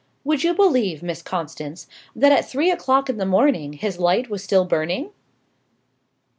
Would you believe, Miss Constance, that at three o'clock in the morning his light was still burning?"